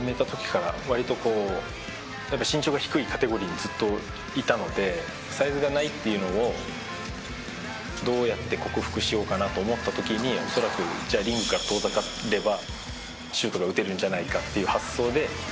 じゃあその中でサイズがないっていうのをどうやって克服しようかなと思った時に恐らくじゃあリングから遠ざかればシュートが打てるんじゃないかっていう発想で。